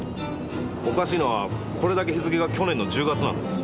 おかしいのはこれだけ日付が去年の１０月なんです。